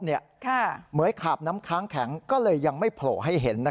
เหมือยขาบน้ำค้างแข็งก็เลยยังไม่โผล่ให้เห็น